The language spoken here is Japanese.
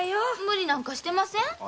無理なんかしてません。